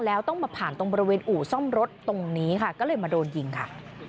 แล้วต้องมาผ่านตรงบริเวณอู่ซ่อมรถตรงนี้ค่ะก็เลยมาโดนยิงค่ะ